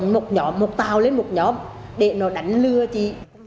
một nhóm một tàu lên một nhóm để nó đánh lừa chị